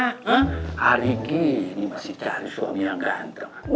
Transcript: hari ini masih cari suami yang gantung